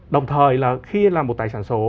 đồng thời là khi là một tài sản số